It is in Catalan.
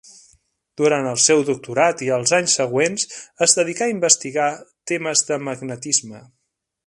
Durant el seu doctorat i els anys següents, es dedicà a investigar temes de magnetisme.